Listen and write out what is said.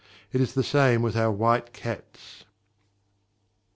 It is the same with our white cats.